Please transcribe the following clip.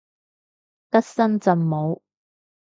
得深圳冇